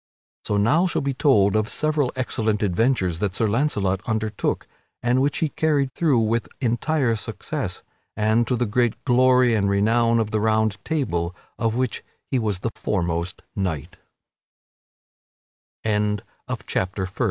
So now shall be told of several excellent adventures that Sir Launcelot undertook, and which he carried through with entire success, and to the great glory and renown of the Round Table, of which he was the foremost k